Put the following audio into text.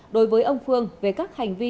đối với ông phương về các hành vi